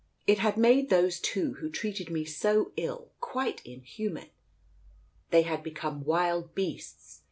It had made those two who treated me so ill, quite inhuman;' They had become wild beasts.